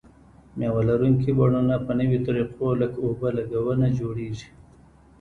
مېوه لرونکي بڼونه په نویو طریقو لکه اوبه لګونه جوړیږي.